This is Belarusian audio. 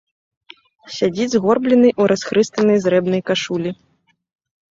Сядзіць згорблены ў расхрыстанай зрэбнай кашулі.